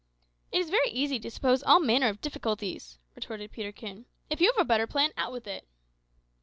"It is very easy to suppose all manner of difficulties," retorted Peterkin. "If you have a better plan, out with it."